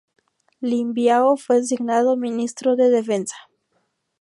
Lin Biao fue designado Ministro de Defensa.